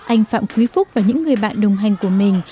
anh phạm quý phúc và những người bạn đồng hành của mình